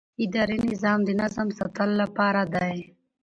اداري نظام د نظم ساتلو لپاره دی.